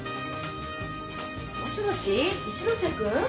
もしもし一ノ瀬君？